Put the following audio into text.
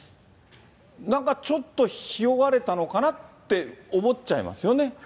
なんかちょっとひよわれたのかなって思っちゃいますよね。